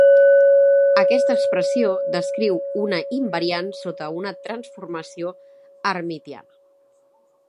Aquesta expressió descriu una invariant sota una transformació hermitiana.